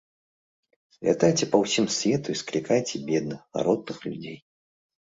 Лятайце па ўсяму свету і склікайце бедных, гаротных людзей!